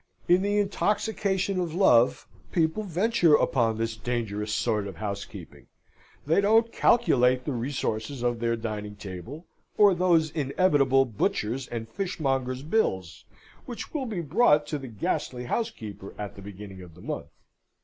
In the intoxication of love people venture upon this dangerous sort of housekeeping; they don't calculate the resources of their dining table, or those inevitable butchers' and fishmongers' bills which will be brought to the ghastly housekeeper at the beginning of the month.